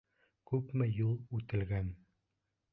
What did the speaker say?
Күпме юл үтелгән.